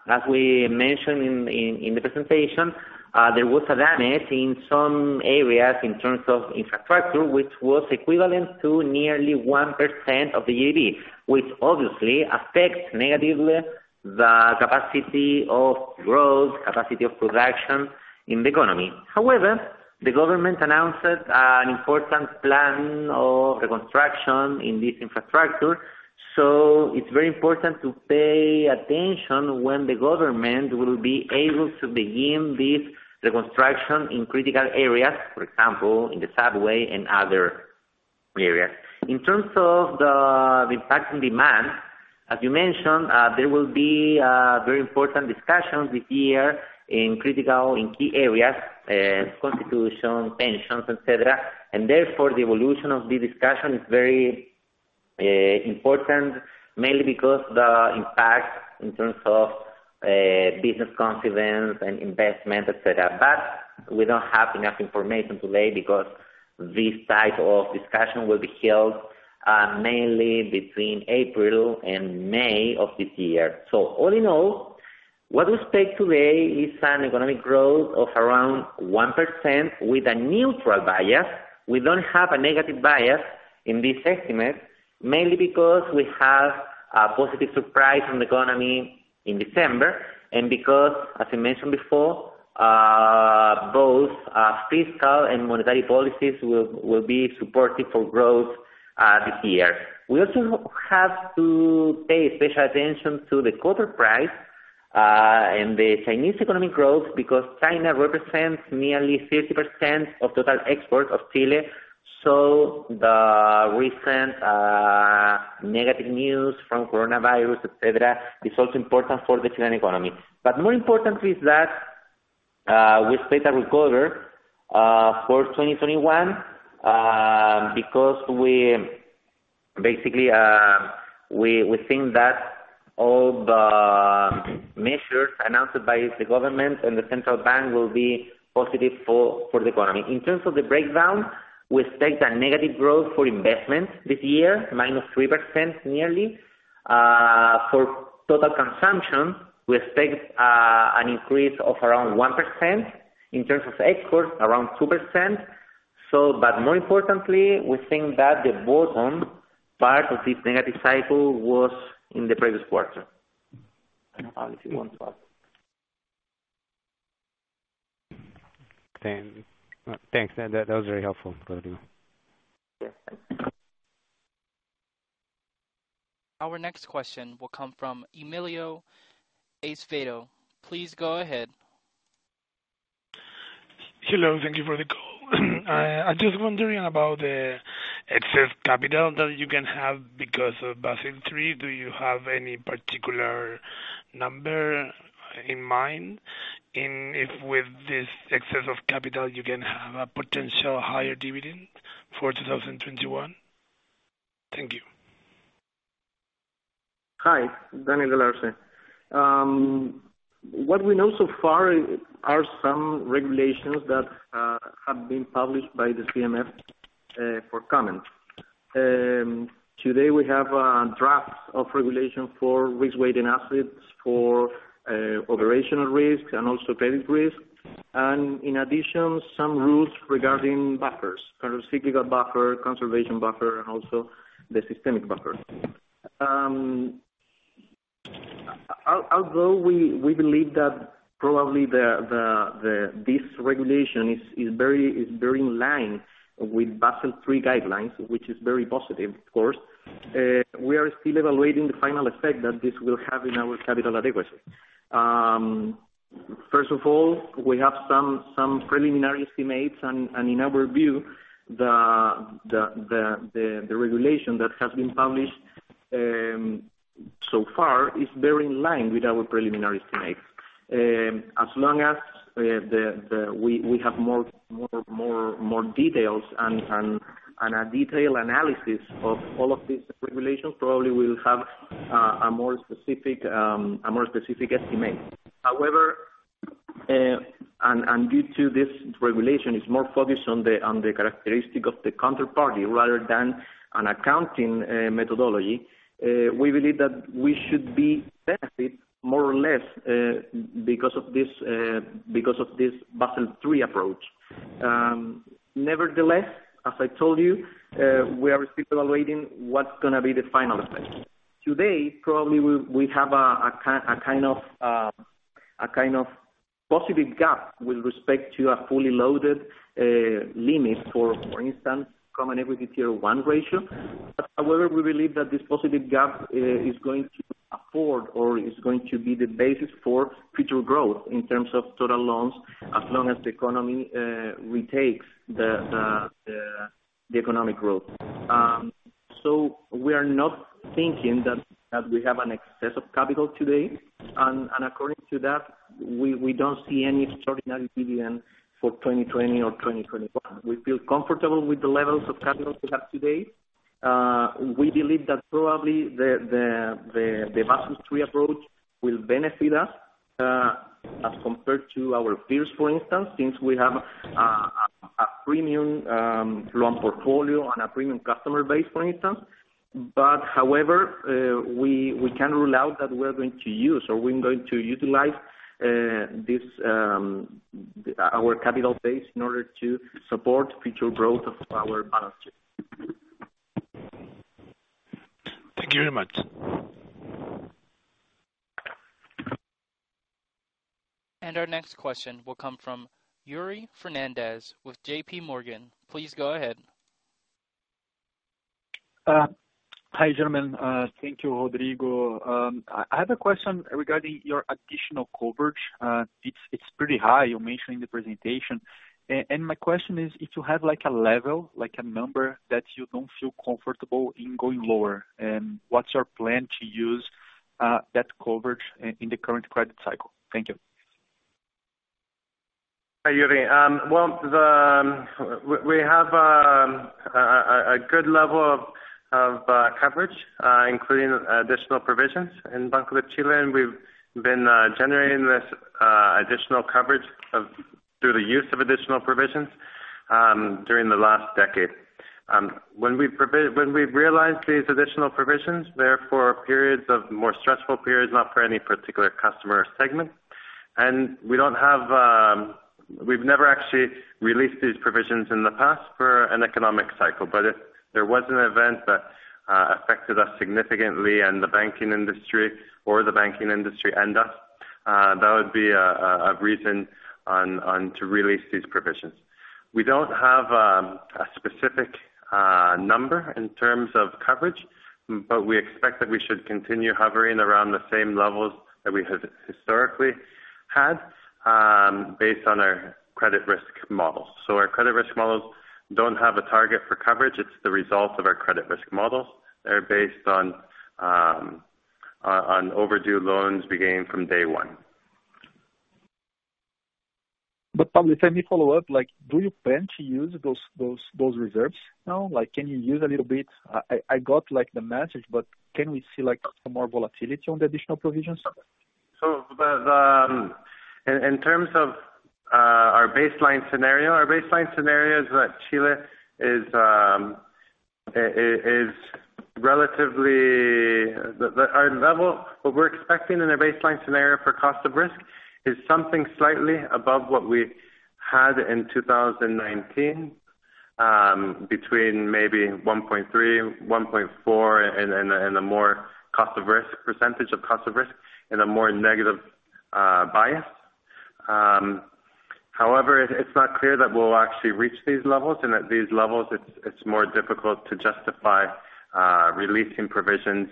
Speaker 2: as we mentioned in the presentation, there was a damage in some areas in terms of infrastructure, which was equivalent to nearly 1% of the GDP, which obviously affects negatively the capacity of growth, capacity of production in the economy. The government announced an important plan of reconstruction in this infrastructure. It's very important to pay attention when the government will be able to begin this reconstruction in critical areas. For example, in the subway and other areas. In terms of the impact in demand, as you mentioned, there will be very important discussions this year in critical, in key areas, constitution, pensions, et cetera, and therefore, the evolution of the discussion is very important, mainly because the impact in terms of business confidence and investment, et cetera. We don't have enough information today because this type of discussion will be held mainly between April and May of this year. All in all, what we expect today is an economic growth of around 1% with a neutral bias. We don't have a negative bias in this estimate, mainly because we have a positive surprise from the economy in December and because, as I mentioned before, both fiscal and monetary policies will be supportive for growth this year. We also have to pay special attention to the copper price, and the Chinese economic growth because China represents nearly 50% of total exports of Chile. The recent negative news from coronavirus, et cetera, is also important for the Chilean economy. More importantly is that, we expect a recovery for 2021, because basically, we think that all the measures announced by the government and the central bank will be positive for the economy. In terms of the breakdown, we expect a negative growth for investment this year, -3%, nearly. For total consumption, we expect an increase of around 1%. In terms of exports, around 2%. More importantly, we think that the bottom part of this negative cycle was in the previous quarter. I don't know, Pablo, if you want to add.
Speaker 7: Thanks. That was very helpful, Rodrigo.
Speaker 1: Our next question will come from Emilio Acevedo. Please go ahead.
Speaker 8: Hello. Thank you for the call. I'm just wondering about the excess capital that you can have because of Basel III. Do you have any particular number in mind? If with this excess of capital, you can have a potential higher dividend for 2021? Thank you.
Speaker 6: Hi. Daniel Galarce. What we know so far are some regulations that have been published by the CMF for comment. Today, we have a draft of regulation for risk-weighting assets for operational risk and also credit risk. In addition, some rules regarding buffers, countercyclical buffer, conservation buffer, and also the systemic buffer. Although we believe that probably this regulation is very in line with Basel III guidelines, which is very positive, of course, we are still evaluating the final effect that this will have on our capital adequacy. First of all, we have some preliminary estimates, and in our view, the regulation that has been published so far is very in line with our preliminary estimates. As long as we have more details and a detailed analysis of all of these regulations, probably we'll have a more specific estimate. However, due to this regulation is more focused on the characteristic of the counterparty rather than an accounting methodology, we believe that we should be benefited more or less because of this Basel III approach. Nevertheless, as I told you, we are still evaluating what's going to be the final effect. Today, probably, we have a kind of positive gap with respect to a fully loaded limit for instance, Common Equity Tier 1 ratio. However, we believe that this positive gap is going to afford or is going to be the basis for future growth in terms of total loans, as long as the economy retakes the economic growth. We are not thinking that we have an excess of capital today, and according to that, we don't see any extraordinary dividend for 2020 or 2021. We feel comfortable with the levels of capital we have today. We believe that probably the Basel III approach will benefit us, as compared to our peers, for instance, since we have a premium loan portfolio and a premium customer base, for instance. However, we can rule out that we're going to use or we're going to utilize our capital base in order to support future growth of our balance sheet.
Speaker 8: Thank you very much.
Speaker 1: Our next question will come from Yuri Fernandes with JPMorgan. Please go ahead.
Speaker 9: Hi, gentlemen. Thank you, Rodrigo. I have a question regarding your additional coverage. It's pretty high, you mentioned in the presentation. My question is, if you have a level, a number that you don't feel comfortable in going lower, and what's your plan to use that coverage in the current credit cycle? Thank you.
Speaker 3: Hi, Yuri. We have a good level of coverage, including additional provisions. In Banco de Chile, we've been generating this additional coverage through the use of additional provisions during the last decade. When we realized these additional provisions, they are for periods of more stressful periods, not for any particular customer segment. We've never actually released these provisions in the past for an economic cycle. If there was an event that affected us significantly and the banking industry or the banking industry and us, that would be a reason to release these provisions. We don't have a specific number in terms of coverage, but we expect that we should continue hovering around the same levels that we have historically had, based on our credit risk models. Our credit risk models don't have a target for coverage. It's the result of our credit risk models. They're based on overdue loans beginning from day one.
Speaker 9: Pablo, can I follow up? Do you plan to use those reserves now? Can you use a little bit? I got the message. Can we see some more volatility on the additional provisions?
Speaker 3: In terms of our baseline scenario, what we're expecting in a baseline scenario for cost of risk is something slightly above what we had in 2019, between maybe 1.3%-1.4% in the more cost of risk percentage of cost of risk, in a more negative bias. However, it's not clear that we'll actually reach these levels, and at these levels, it's more difficult to justify releasing provisions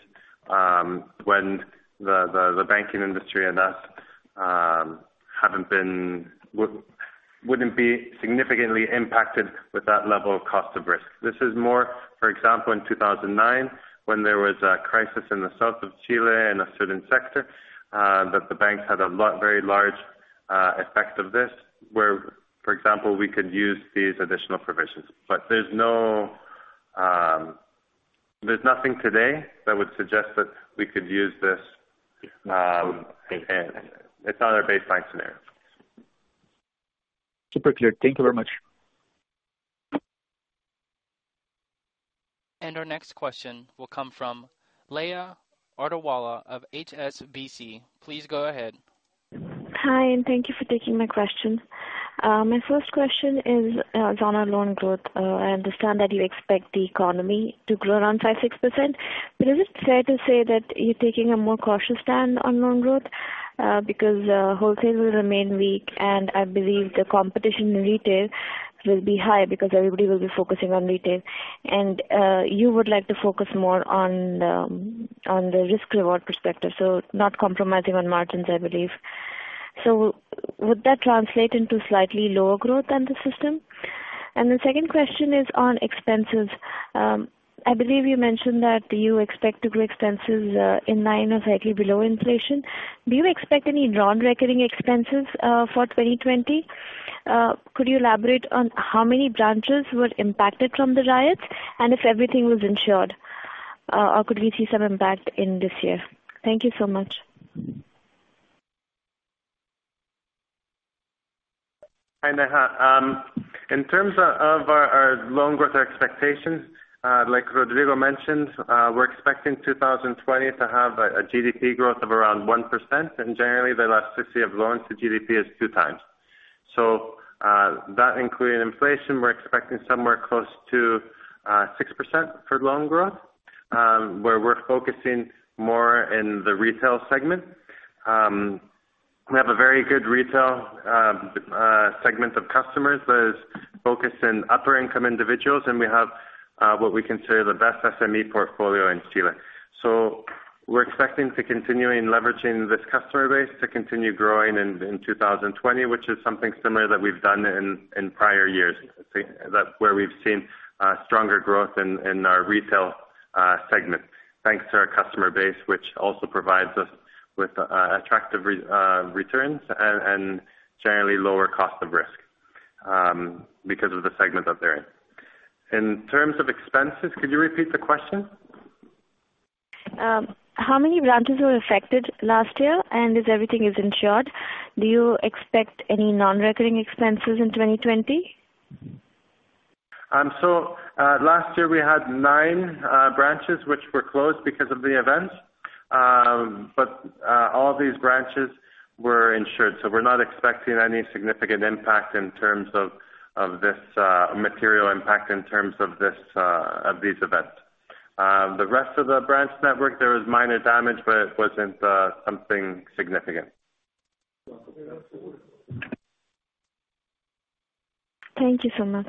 Speaker 3: when the banking industry and us wouldn't be significantly impacted with that level of cost of risk. This is more, for example, in 2009, when there was a crisis in the south of Chile in a certain sector, that the banks had a very large effect of this, where, for example, we could use these additional provisions. There's nothing today that would suggest that we could use this.
Speaker 9: Okay
Speaker 3: It's not our baseline scenario.
Speaker 9: Super clear. Thank you very much.
Speaker 1: Our next question will come from Neha Agarwala of HSBC. Please go ahead.
Speaker 10: Hi, thank you for taking my question. My first question is on our loan growth. I understand that you expect the economy to grow around 5%-6%, but is it fair to say that you're taking a more cautious stand on loan growth because wholesale will remain weak, and I believe the competition in retail will be high because everybody will be focusing on retail. You would like to focus more on the risk-reward perspective, so not compromising on margins, I believe. Would that translate into slightly lower growth than the system? The second question is on expenses. I believe you mentioned that you expect to grow expenses in line or slightly below inflation. Do you expect any non-recurring expenses for 2020? Could you elaborate on how many branches were impacted from the riots, and if everything was insured? Could we see some impact in this year? Thank you so much.
Speaker 3: Hi, Neha. In terms of our loan growth expectations, like Rodrigo mentioned, we're expecting 2020 to have a GDP growth of around 1%. Generally, the elasticity of loans to GDP is two times. That including inflation, we're expecting somewhere close to 6% for loan growth, where we're focusing more in the retail segment. We have a very good retail segment of customers that is focused in upper-income individuals. We have what we consider the best SME portfolio in Chile. We're expecting to continuing leveraging this customer base to continue growing in 2020, which is something similar that we've done in prior years. That's where we've seen stronger growth in our retail segment, thanks to our customer base, which also provides us with attractive returns and generally lower cost of risk because of the segment that they're in. In terms of expenses, could you repeat the question?
Speaker 10: How many branches were affected last year, and if everything is insured? Do you expect any non-recurring expenses in 2020?
Speaker 3: Last year, we had nine branches which were closed because of the event. All these branches were insured, so we're not expecting any significant impact in terms of this material impact in terms of these events. The rest of the branch network, there was minor damage, but it wasn't something significant.
Speaker 10: Thank you so much.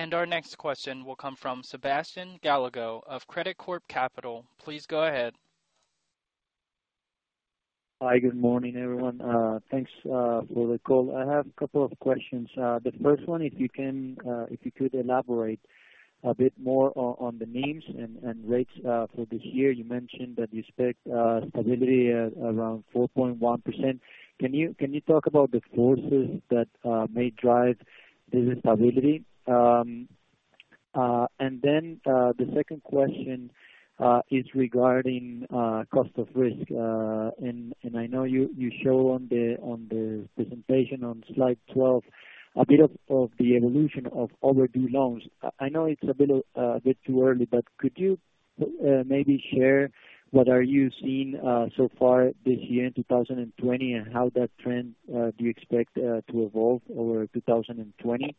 Speaker 3: You're welcome.
Speaker 1: Our next question will come from Sebastián Gallego of Credicorp Capital. Please go ahead.
Speaker 11: Hi, good morning, everyone. Thanks for the call. I have a couple of questions. The first one, if you could elaborate a bit more on the NIMs and rates for this year. You mentioned that you expect stability at around 4.1%. Can you talk about the forces that may drive this instability? The second question is regarding cost of risk. I know you show on the presentation on slide 12 a bit of the evolution of overdue loans. I know it's a bit too early, could you maybe share what are you seeing so far this year in 2020, and how that trend do you expect to evolve over 2020?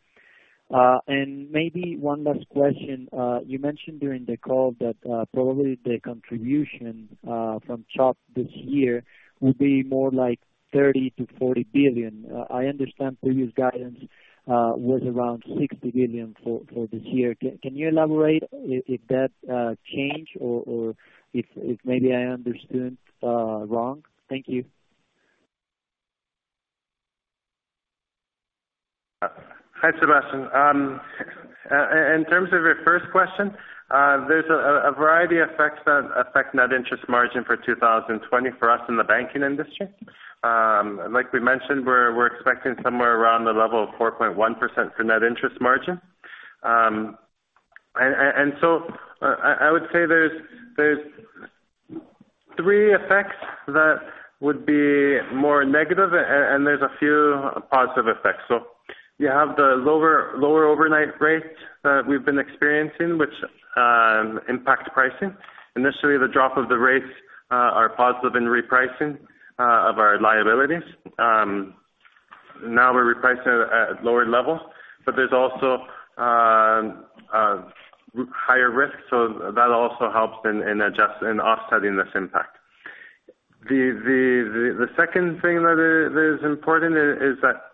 Speaker 11: Maybe one last question. You mentioned during the call that probably the contribution from Chubb this year will be more like 30 billion-40 billion. I understand previous guidance was around 60 billion for this year. Can you elaborate if that changed or if maybe I understood wrong? Thank you.
Speaker 3: Hi, Sebastian. In terms of your first question, there's a variety of effects that affect net interest margin for 2020 for us in the banking industry. Like we mentioned, we're expecting somewhere around the level of 4.1% for net interest margin. I would say there's three effects that would be more negative and there's a few positive effects. You have the lower overnight rates that we've been experiencing, which impact pricing. Initially, the drop of the rates are positive in repricing of our liabilities. Now we're repricing at lower levels, but there's also higher risk. That also helps in offsetting this impact. The second thing that is important is that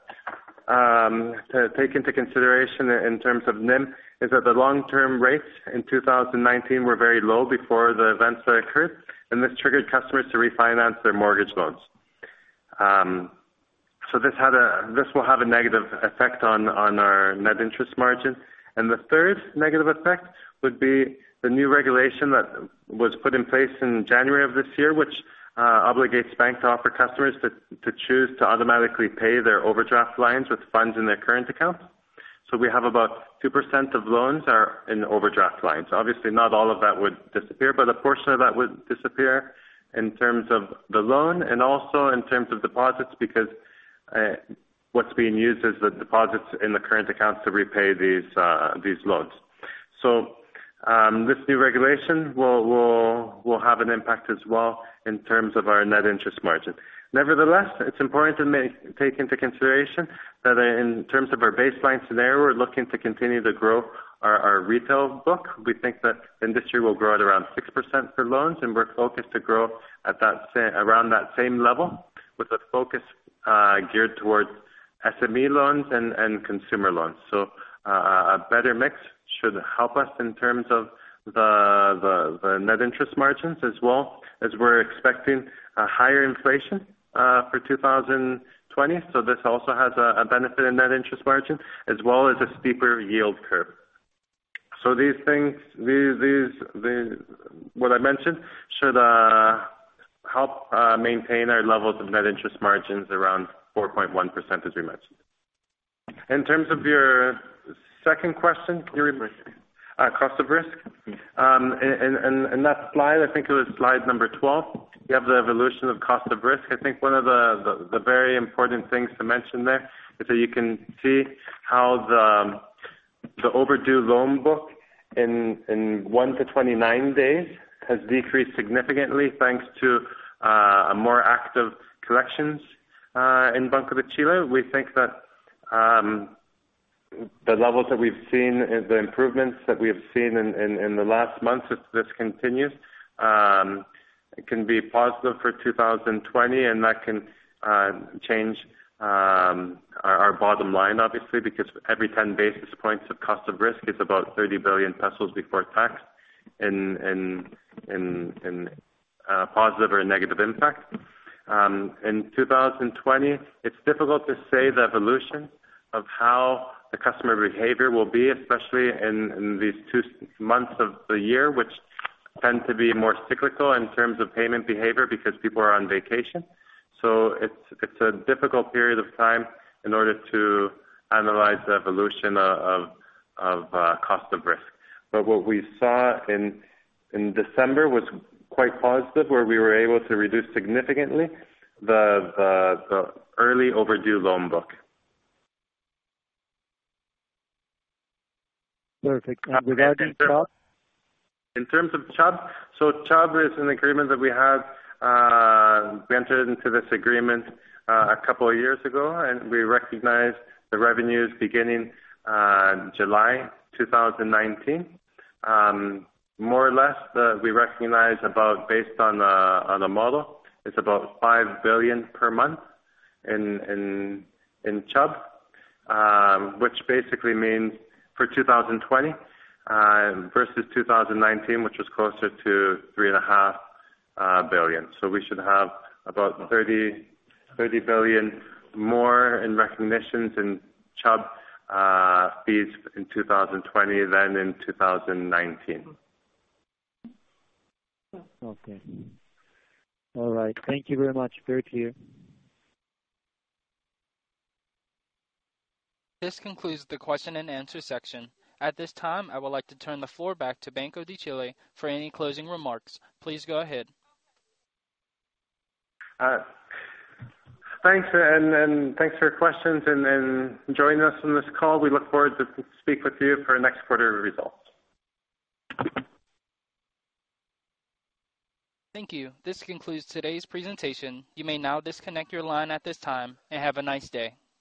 Speaker 3: to take into consideration in terms of NIM, is that the long-term rates in 2019 were very low before the events that occurred, and this triggered customers to refinance their mortgage loans. This will have a negative effect on our net interest margin. The third negative effect would be the new regulation that was put in place in January of this year, which obligates banks to offer customers to choose to automatically pay their overdraft lines with funds in their current account. We have about 2% of loans are in overdraft lines. Obviously, not all of that would disappear, but a portion of that would disappear in terms of the loan and also in terms of deposits, because what's being used is the deposits in the current accounts to repay these loans. This new regulation will have an impact as well in terms of our net interest margin. Nevertheless, it's important to take into consideration that in terms of our baseline scenario, we're looking to continue to grow our retail book. We think the industry will grow at around 6% for loans, and we're focused to grow around that same level with a focus geared towards SME loans and consumer loans. A better mix should help us in terms of the net interest margins, as well as we're expecting a higher inflation for 2020. This also has a benefit in net interest margin as well as a steeper yield curve. What I mentioned should help maintain our levels of net interest margins around 4.1%, as we mentioned. In terms of your second question, can you repeat?
Speaker 11: Cost of risk.
Speaker 3: Cost of risk. In that slide, I think it was slide number 12, we have the evolution of cost of risk. I think one of the very important things to mention there is that you can see how the overdue loan book in 1-29 days has decreased significantly thanks to a more active collections in Banco de Chile. We think that the levels that we've seen, the improvements that we have seen in the last months, if this continues, it can be positive for 2020. That can change our bottom line, obviously, because every 10 basis points of cost of risk is about 30 billion pesos before tax in positive or negative impact. In 2020, it's difficult to say the evolution of how the customer behavior will be, especially in these two months of the year, which tend to be more cyclical in terms of payment behavior because people are on vacation. It's a difficult period of time in order to analyze the evolution of cost of risk. What we saw in December was quite positive, where we were able to reduce significantly the early overdue loan book.
Speaker 11: Perfect. Regarding Chubb?
Speaker 3: In terms of Chubb is an agreement that we have. We entered into this agreement a couple of years ago. We recognized the revenues beginning July 2019. More or less, we recognize based on the model, it's about 5 billion per month in Chubb, which basically means for 2020 versus 2019, which was closer to 3.5 billion. We should have about 30 billion more in recognitions in Chubb fees in 2020 than in 2019.
Speaker 11: Okay. All right. Thank you very much. Very clear.
Speaker 1: This concludes the question and answer section. At this time, I would like to turn the floor back to Banco de Chile for any closing remarks. Please go ahead.
Speaker 3: Thanks, and thanks for your questions and joining us on this call. We look forward to speak with you for next quarter results.
Speaker 1: Thank you. This concludes today's presentation. You may now disconnect your line at this time, and have a nice day.